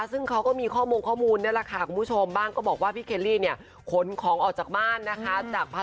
ซึ่งเขาก็มีข้อมูลข้อมูลนี่แหละค่ะคุณผู้ชมบ้างก็บอกว่าพี่เคลลี่เนี่ยขนของออกจากบ้านนะคะ